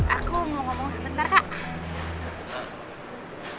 aku mau ngomong sebentar kak